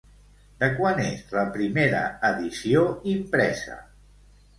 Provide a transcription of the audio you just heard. De quan és la primera edició impresa?